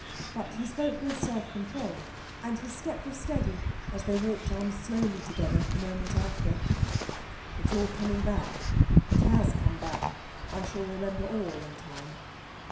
But he spoke with self control, and his step was steady as they walked on slowly together the moment after. "It's all coming back. It has come back. I shall remember all in time."